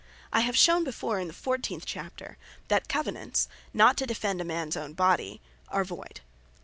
I have shewn before in the 14. Chapter, that Covenants, not to defend a mans own body, are voyd.